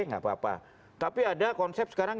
gapapa tapi ada konsep sekarang